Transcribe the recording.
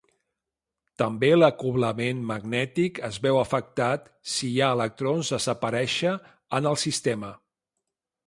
També l'acoblament magnètic es veu afectat, si hi ha electrons desaparèixer en el sistema.